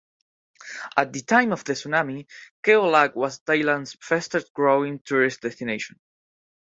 At the time of the tsunami, Khao Lak was Thailand's fastest growing tourist destination.